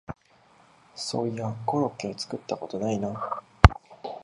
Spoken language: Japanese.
そういやコロッケを作ったことないな